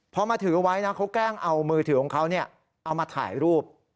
พอมาถือไว้นะเขาแกล้งเอามือถือของเขาเอามาถ่ายรูป